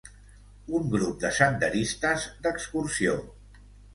Un grup de senderistes d'excursió.